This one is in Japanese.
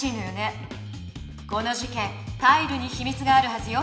この事けんタイルにひみつがあるはずよ。